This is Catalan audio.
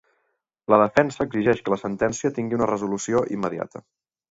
La defensa exigeix que la sentència tingui una resolució immediata